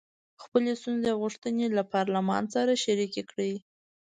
خپلې ستونزې او غوښتنې له پارلمان سره شریکې کړي.